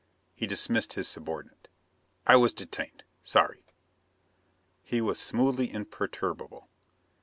He dismissed his subordinate. "I was detained. Sorry." He was smoothly imperturbable.